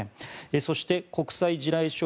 そして国際地雷処理